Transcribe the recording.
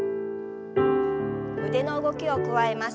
腕の動きを加えます。